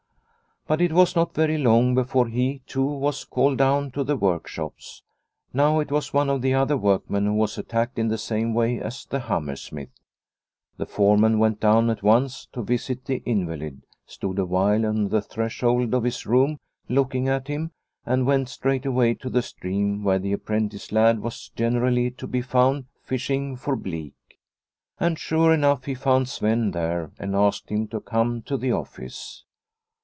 But it was not very long before he, too, was called down to the workshops. Now it was one of the other workmen who was attacked in the same way as the hammer smith. The foreman went down at once to visit the invalid, stood awhile on the threshold of his room looking at him, and went straightway to the stream where the apprentice lad was generally to be found fishing for bleak. And sure enough he found Sven there and asked him to come to the office.